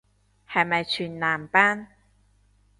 係咪全男班